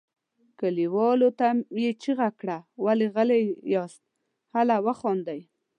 کليوالو ته یې چیغه کړه ولې غلي یاست هله وخاندئ.